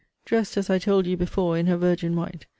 Dressed, as I told you before, in her virgin white.